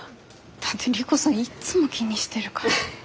だって莉子さんいっつも気にしてるから。